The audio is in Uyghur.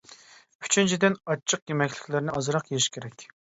ئۈچىنچىدىن، ئاچچىق يېمەكلىكلەرنى ئازراق يېيىش كېرەك.